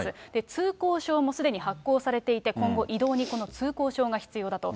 通行証もすでに発行されていて、今後、移動にこの通行証が必要だと。